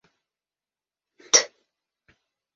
Т